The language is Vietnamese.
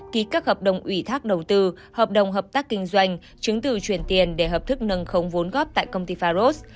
ký các hợp đồng ủy thác đầu tư hợp đồng hợp tác kinh doanh chứng từ chuyển tiền để hợp thức nâng không vốn góp tại công ty faros